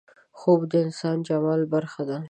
خوب د انسان د جمال برخه ده